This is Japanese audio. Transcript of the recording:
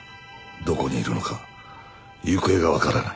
どこにいるのか行方が分からない。